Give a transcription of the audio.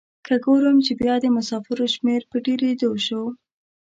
که ګورم چې بیا د مسافرو شمیر په ډیریدو شو.